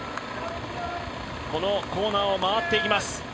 このコーナーを回っていきます。